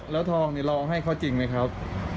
แล้วทองเราให้เขาจริงไหมครับ